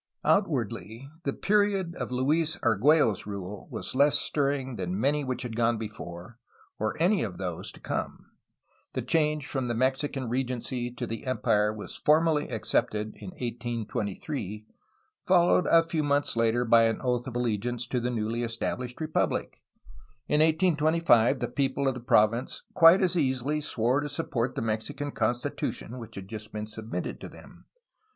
Outwardly the period of Luis Argtiello's rule was less stir ring than many which had gone before or any of those to come. The change from the Mexican regency to the empire was formally accepted in 1823, followed a few months later by an oath of allegiance to the newly estabUshed republic. In 1825 the people of the province quite as easily swore to support the Mexican Constitution which had just been sub mitted to them.